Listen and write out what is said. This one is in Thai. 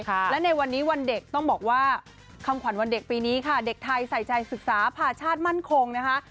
และในวันนี้วันเด็กต้องบอกว่าคำขวัญวันเด็กปีนี้ค่ะเด็กไทยใส่ใจศึกษาผ่าชาติมั่นคงนะคะ